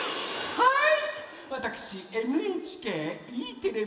はい！